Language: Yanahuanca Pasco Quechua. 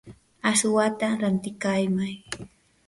aswata rantikamay.